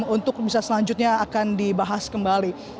untuk bisa selanjutnya akan dibahas kembali